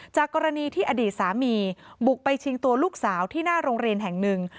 จากกรณีที่อดีตสามีบุกไปชิงตัวลูกสาวที่หน้าโรงเรียนแห่งหนึ่ง